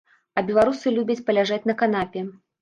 А беларусы любяць паляжаць на канапе.